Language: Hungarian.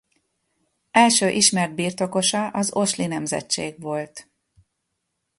Első ismert birtokosa az Osli nemzetség volt.